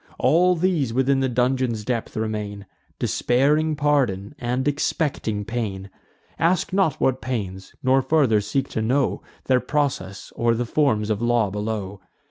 All these within the dungeon's depth remain, Despairing pardon, and expecting pain. Ask not what pains; nor farther seek to know Their process, or the forms of law below.